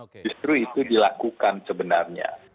justru itu dilakukan sebenarnya